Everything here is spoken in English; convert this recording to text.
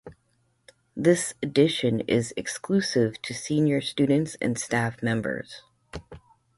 This edition is exclusive to senior students and staff members.